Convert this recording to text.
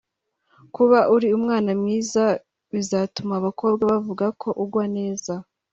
Kuba uri umwana mwiza bizatuma abakobwa bavuga ko ugwa neza